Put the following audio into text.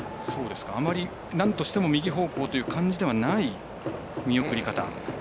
なんとしても右方向という感じではない見送り方。